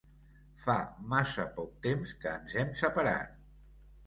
Fa massa poc temps que ens hem separat.